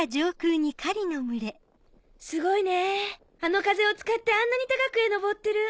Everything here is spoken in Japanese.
すごいねあの風を使ってあんなに高くへ上ってる。